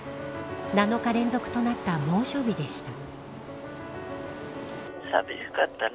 ７日連続となった猛暑日でした。